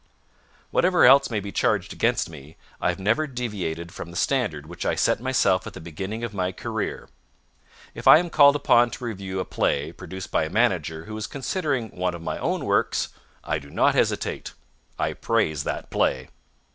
Whatever else may be charged against me, I have never deviated from the standard which I set myself at the beginning of my career. If I am called upon to review a play produced by a manager who is considering one of my own works, I do not hesitate. I praise that play.